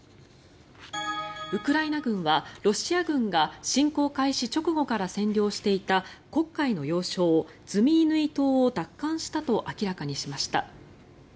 ウクライナ軍はロシア軍が侵攻開始直後から占領していた黒海の要衝、ズミイヌイ島を奪還したと明らかにしました。